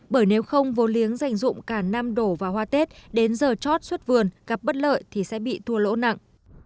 bởi nếu không vô liếng dành dụng cả năm đổ vào hoa tết đến giờ chót xuất vườn gặp bất lợi thì sẽ bị thua lỗ nặng